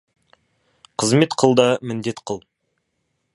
Қызмет қыл да, міндет қыл.